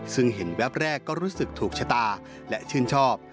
ซึ่งเห็นแวบแรกก็รู้สึกถูกชะตาและชื่นชอบ